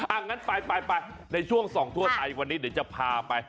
งั้นไปในช่วงส่องทั่วไทยวันนี้เดี๋ยวจะพาไป